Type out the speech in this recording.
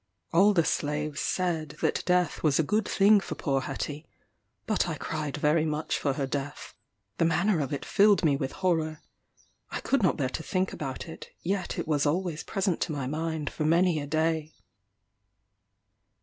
All the slaves said that death was a good thing for poor Hetty; but I cried very much for her death. The manner of it filled me with horror. I could not bear to think about it; yet it was always present to my mind for many a day.